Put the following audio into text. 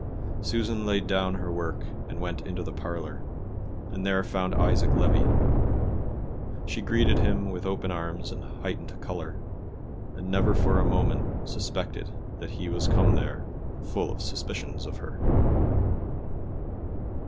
Susan laid down her work and went into the parlor, and there found Isaac Levi. She greeted him with open arms and heightened color, and never for a moment suspected that he was come there full of suspicions of her.